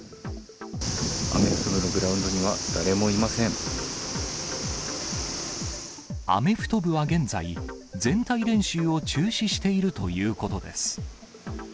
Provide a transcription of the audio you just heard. アメフト部のグラウンドには、アメフト部は現在、全体練習を中止しているということです。